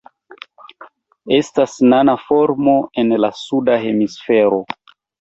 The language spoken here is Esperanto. Estas nana formo en la Suda Hemisfero.